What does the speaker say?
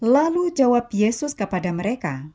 lalu jawab yesus kepada mereka